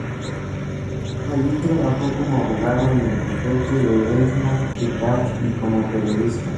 Allí trabajó como abogado en el bufete de Edmond Picard y como periodista.